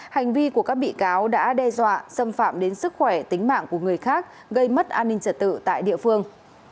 hành vi của các bị cáo đã đe dọa xâm phạm đến sức khỏe tính mạng của người khác gây mất an ninh trật tự tại địa phương